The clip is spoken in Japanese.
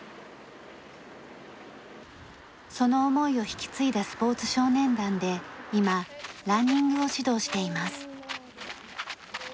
その思いを引き継いだスポーツ少年団で今ランニングを指導しています。